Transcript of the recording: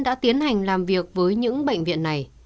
đã tiến hành làm việc với những bệnh viện này